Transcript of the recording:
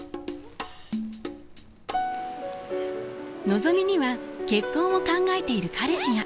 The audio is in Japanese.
のぞみには結婚を考えている彼氏が。